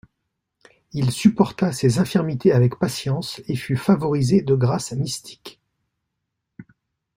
Il supporta ses infirmités avec patience et fut favorisé de grâces mystiques.